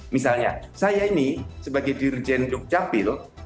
misalnya saya ini sebagai dirjen dukcapil